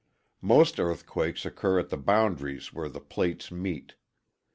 Most earthquakes occur at the boundaries where the plates meet.